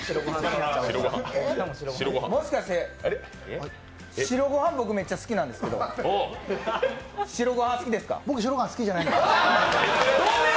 もしかして白ご飯、僕、めっちゃ隙なんですけど、白ご飯好きですか歯というえ